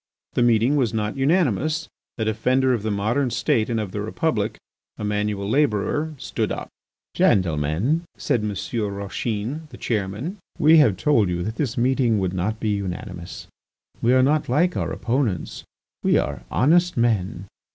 The meeting was not unanimous. A defender of the modern State and of the Republic, a manual labourer, stood up. "Gentlemen," said M. Rauchin, the chairman, "we have told you that this meeting would not be unanimous. We are not like our opponents, we are honest men.